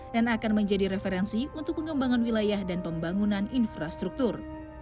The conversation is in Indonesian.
dan akan menjadi referensi untuk pengembangan wilayah dan pembangunan infrastruktur